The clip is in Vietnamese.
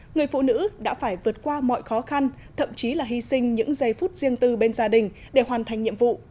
người phụ nữ đã phải vượt qua mọi khó khăn thậm chí là hy sinh những giây phút riêng tư bên gia đình để hoàn thành nhiệm vụ